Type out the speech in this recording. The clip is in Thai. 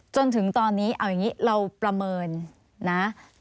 จนถึงตอนนี้เอาอย่างนี้เราประเมินนะ